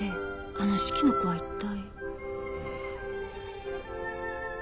あの指揮の子は一体？